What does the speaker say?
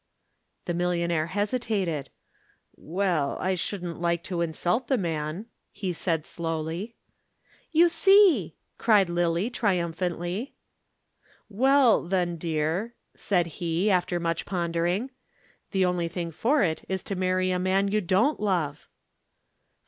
The millionaire hesitated. "Well, I shouldn't like to insult the man," he said slowly. "You see!" cried Lillie triumphantly. "Well, then, dear," said he, after much pondering, "the only thing for it is to marry a man you don't love."